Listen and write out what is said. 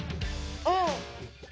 うん。